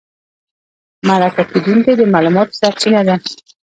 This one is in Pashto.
مرکه کېدونکی د معلوماتو سرچینه ده.